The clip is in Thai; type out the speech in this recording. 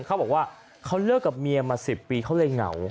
เขาบอกว่าเขาเลิกกับเมียมา๑๐ปีเขาเลยเหงา